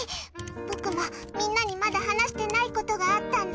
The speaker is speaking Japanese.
僕は、みんなにまだ話してないことがあったんだ。